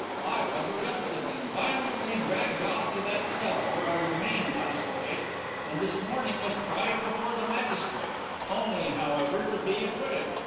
I was arrested, and violently dragged off to that cell, where I remained last night, and this morning was tried before the magistrate, only, however, to be acquitted.